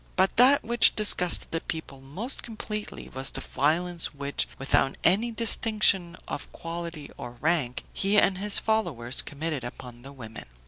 But that which disgusted the people most completely was the violence which, without any distinction of quality or rank, he and his followers committed upon the women.